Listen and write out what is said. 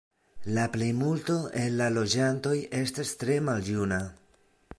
La plejmulto el la loĝantoj estas tre maljuna.